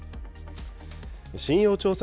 信用調査